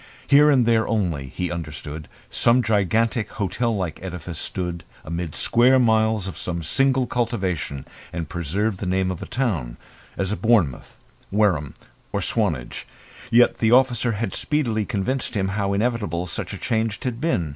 Here and there only, he understood, some gigantic hotel like edifice stood amid square miles of some single cultivation and preserved the name of a town as Bournemouth, Wareham, or Swanage. Yet the officer had speedily convinced him how inevitable such a change had been.